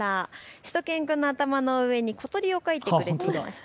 しゅと犬くんの頭の上に小鳥を描いてくれていまして